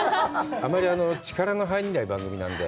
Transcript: あんまり力の入らない番組なので。